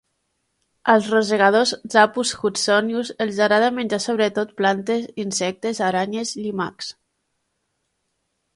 Als rosegadors Zapus hudsonius els agrada menjar sobretot plantes, insectes, aranyes, llimacs.